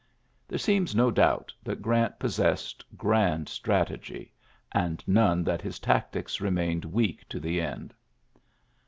'' There seems no doubt that Orant possessed grand strategy — and none that his tactics remained weak to the end.